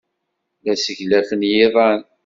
La sseglafen yiḍan.